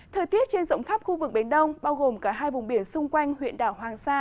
thời tiết trên rộng khắp khu vực biển đông bao gồm cả hai vùng biển xung quanh huyện đảo hoàng sa